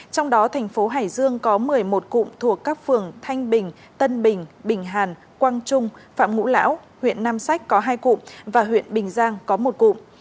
trong đó thành phố hải dương có một mươi một cụm thuộc các phường thanh bình tân bình bình hàn quang trung phạm ngũ lão huyện nam sách có hai cụm và huyện bình giang có một cụm